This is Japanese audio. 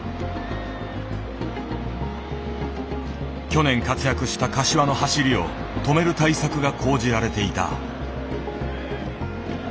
去年活躍した柏の走りを止める対策が講じられていた。